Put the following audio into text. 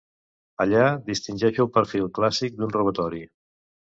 Allà distingeixo el perfil clàssic d'un robatori.